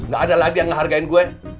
gak ada lagi yang ngehargain gue